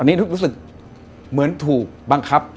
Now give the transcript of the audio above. อันนี้รู้สึกเหมือนถูกบังคับ